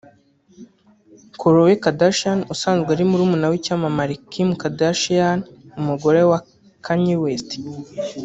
Khloe Kardashian usanzwe ari murumuna w’icyamamare Kim Kardashian umugore wa Kanye West